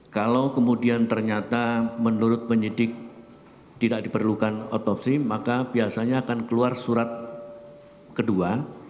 kalau kemudian ternyata menurut penyidik tidak diperlukan otopsi maka biasanya akan keluar surat kedua